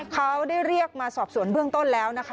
เขาได้เรียกมาสอบสวนเบื้องต้นแล้วนะคะ